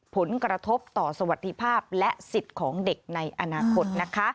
ผลกระทบต่อสวัสดิภาพและสิทธิ์ของเด็กในอนาคตนะคะ